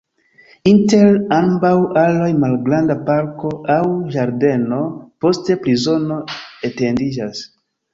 Inter ambaŭ aloj malgranda parko aŭ ĝardeno, poste prizono etendiĝas.